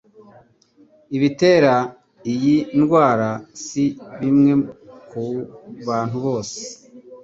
Ibitera iyi ndwara si bimwe ku bantu bose